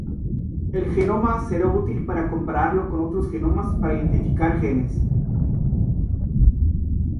El genoma será útil para compararlo con otros genomas para identificar genes.